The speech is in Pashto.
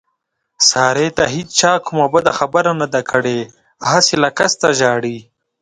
سارې ته هېچا کومه بده خبره نه ده کړې، هسې له قسته ژاړي.